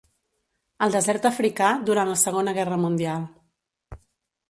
Al desert africà, durant la Segona Guerra Mundial.